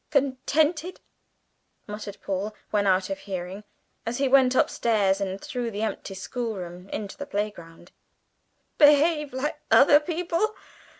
"'Contented!'" muttered Paul, when out of hearing, as he went upstairs and through the empty schoolroom into the playground. "'Behave like other people!'